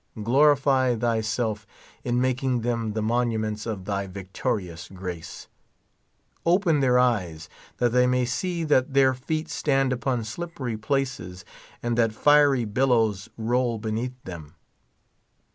Glorifj' thyself in making them the monuments of thy victorious grace. Open their eyes that they may see that their feet stand, upon slipper}^ places, and that fiery billows roll beneatli them.